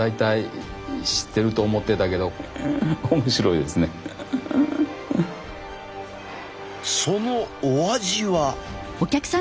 いやそのお味は？